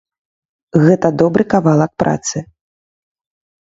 Гэта добры кавалак працы.